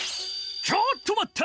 ちょっとまった！